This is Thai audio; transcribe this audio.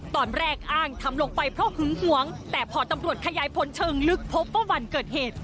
ตอนแรกอ้างทำลงไปเพราะหึงหวงแต่พอตำรวจขยายผลเชิงลึกพบว่าวันเกิดเหตุ